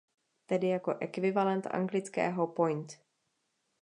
Tedy jako ekvivalent anglického „point“.